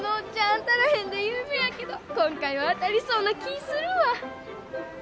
当たらへんで有名やけど今回は当たりそうな気ぃするわ！